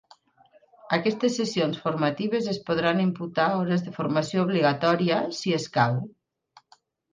Aquestes sessions formatives es podran imputar a hores de formació obligatòria, si escau.